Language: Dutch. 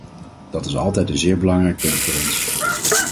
Dat is altijd een zeer belangrijk punt voor ons.